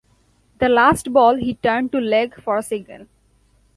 The last ball he turned to leg for a single.